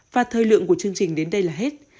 và thời lượng của chương trình đến đây là hết